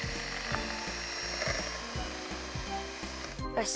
よし！